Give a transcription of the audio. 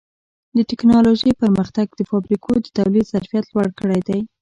د ټکنالوجۍ پرمختګ د فابریکو د تولید ظرفیت لوړ کړی دی.